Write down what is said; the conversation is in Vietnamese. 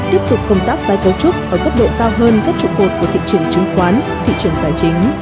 tiếp tục công tác tái cấu trúc ở gấp độ cao hơn các trụng hột của thị trường chứng khoán thị trường tài chính